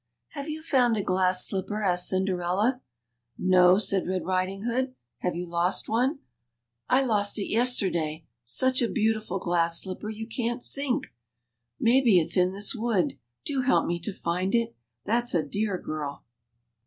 Have you found a glass slipper?" asked Cinderella. No," said Red Riding hood ; have you lost one ?" I lost it yesterday ; such a beautiful glass slipper, you can't think ! Maybe it's in this wood ; do help me to find it ; that's a dear girl